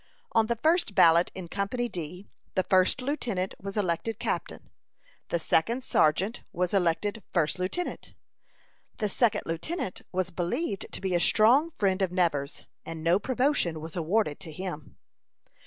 On the first ballot in Company D, the first lieutenant was elected captain; the second sergeant was elected first lieutenant. The second lieutenant was believed to be a strong friend of Nevers, and no promotion was awarded to him.